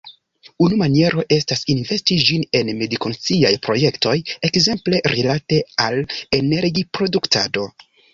Unu maniero estas investi ĝin en medikonsciaj projektoj, ekzemple rilate al energiproduktado.